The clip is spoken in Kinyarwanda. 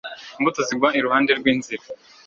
imbuto zigwa iruhande rw inzira